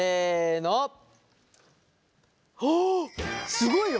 すごいよ！